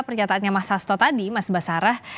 pernyataannya mas sasto tadi mas basarah